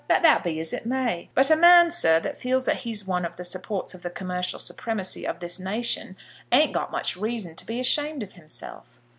Let that be as it may. But a man, sir, that feels that he's one of the supports of the commercial supremacy of this nation ain't got much reason to be ashamed of himself."